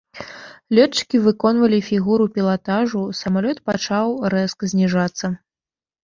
Лётчыкі выконвалі фігуру пілатажу, самалёт пачаў рэзка зніжацца.